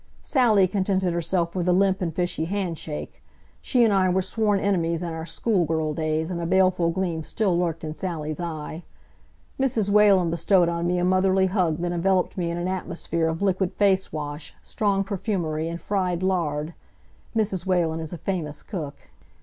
Sally contented herself with a limp and fishy handshake. She and I were sworn enemies in our school girl days, and a baleful gleam still lurked in Sally's eye. Mrs. Whalen bestowed on me a motherly hug that enveloped me in an atmosphere of liquid face wash, strong perfumery and fried lard. Mrs. Whalen is a famous cook.